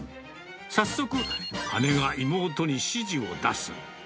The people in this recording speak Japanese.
早速、姉が妹に指示を出す。